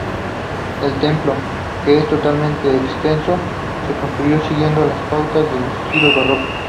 El templo, que es totalmente exento, se construyó siguiendo las pautas del estilo barroco.